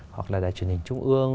hoặc là đài truyền hình trung ương